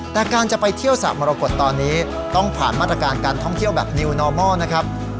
แต่การจะไปเที่ยวสระมรกฏตอนนี้ต้องผ่านมาตรการการท่องเที่ยวแบบนิวนอร์มอลนะครับ